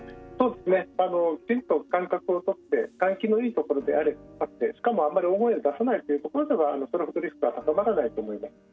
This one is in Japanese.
きちんと間隔をとって換気のいいところであってしかも、あまり大声を出さないというところではそれほどリスクは高まらないと思います。